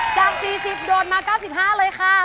จาก๔๐โดดมา๙๕เลยค่ะ